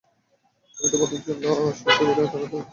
আমি তোমাদের জন্য আশংকা করি আর্তনাদ দিবসের।